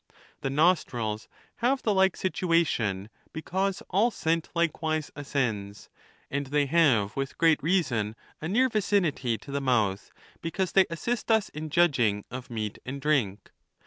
The nostrils have the like situation, because all scent likewise ascends ; and they have, with great reason, a near vicinity to the month, because they assist us in judging of meat and drink.